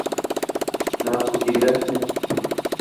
nakugirira nte